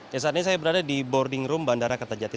ya saat ini saya berada di boarding room bandara kertajati